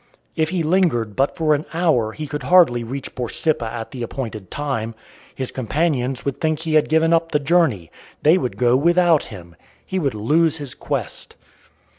If he lingered but for an hour he could hardly reach Borsippa at the appointed time. His companions would think he had given up the journey. They would go without him. He would lose his quest.